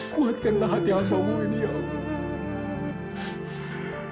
kuatkanlah hati apamu ini ya allah